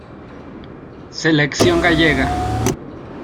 Selección Gallega.